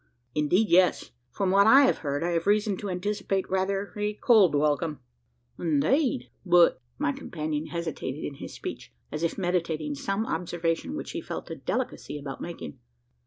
"Indeed, yes. From what I have heard, I have reason to anticipate rather a cold welcome." "I'deed? But," My companion hesitated his his speech as if meditating some observation which he felt a delicacy about making.